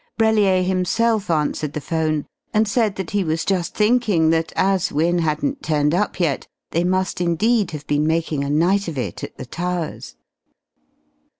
Brellier himself answered the phone, and said that he was just thinking that as Wynne hadn't turned up yet, they must indeed have been making a night of it at the Towers.